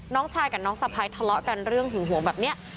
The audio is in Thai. น้องชายกับน้องสะพ้ายทะเลาะกันเรื่องหึงหวงแบบนี้